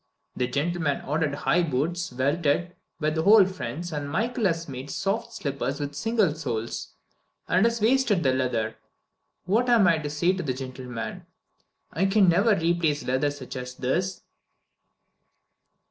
The gentleman ordered high boots, welted, with whole fronts, and Michael has made soft slippers with single soles, and has wasted the leather. What am I to say to the gentleman? I can never replace leather such as this."